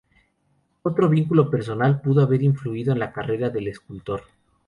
Otro vínculo personal pudo haber influido en la carrera del escultor.